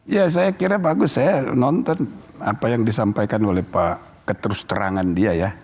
ya saya kira bagus saya nonton apa yang disampaikan oleh pak keterus terangan dia ya